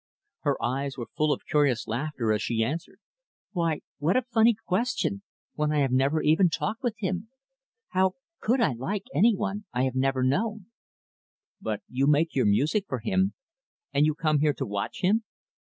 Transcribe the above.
Her eyes were full of curious laughter as she answered, "Why, what a funny question when I have never even talked with him. How could I like any one I have never known?" "But you make your music for him; and you come here to watch him?"